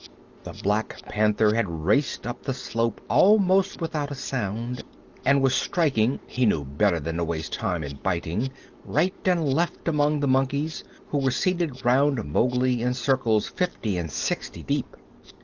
The Black Panther had raced up the slope almost without a sound and was striking he knew better than to waste time in biting right and left among the monkeys, who were seated round Mowgli in circles fifty and sixty deep.